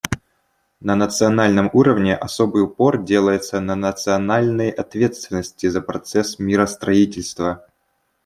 На национальном уровне особый упор делается на национальной ответственности за процесс миростроительства.